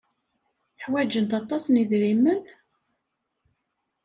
Ḥwajent aṭas n yidrimen?